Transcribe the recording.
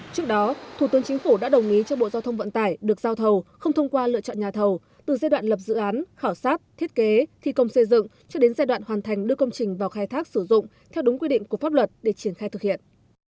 trước đó thủ tướng chính phủ đã đồng ý cho bộ giao thông vận tải được giao thầu không thông qua lựa chọn nhà thầu từ giai đoạn lập dự án khảo sát thiết kế thi công xây dựng cho đến giai đoạn hoàn thành đưa công trình vào khai thác sử dụng theo đúng quy định của pháp luật để triển khai thực hiện